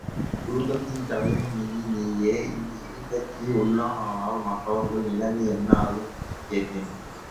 குடும்பத் தலைவன் நீ நீயே இந்த இடும்பைக்கு உள்ளானால் மற்றவர்கள் நிலைமை என்ன ஆகும்? என்று கேட்டான்.